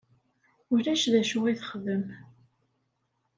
Ulac d acu i texdem.